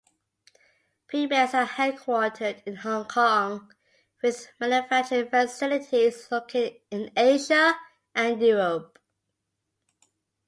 Primex are headquartered in Hong Kong, with manufacturing facilities located in Asia and Europe.